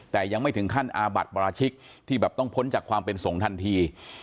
แต่ยังไม่ถึงขั้นอาบัติปราชิกที่แบบต้องพ้นจากความเป็นสงฆ์ทันที